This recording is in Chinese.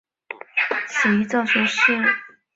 此一诏书是时任参议的橘广相所拟。